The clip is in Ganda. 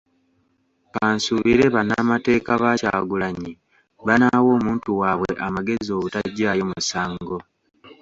Kansuubire bannamateeka ba Kyagulanyi banaawa omuntu waabwe amagezi obutaggyayo musango.